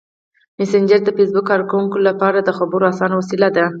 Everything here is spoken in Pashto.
مسېنجر د فېسبوک کاروونکو لپاره د خبرو اسانه وسیله ده.